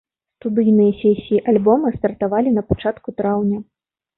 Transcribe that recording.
Студыйныя сесіі альбома стартавалі на пачатку траўня.